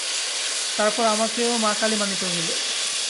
তারপর আমাকেও মা-কালী মানিতে হইল।